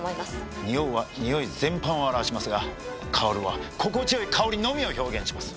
「におう」はにおい全般を表しますが「香る」は心地よい香りのみを表現します。